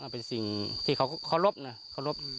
เป็นสิ่งที่เค้ารบเนี่ย